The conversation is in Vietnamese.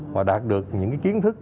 và đạt được những kiến thức